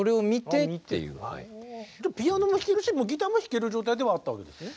ピアノも弾けるしギターも弾ける状態ではあったわけですね。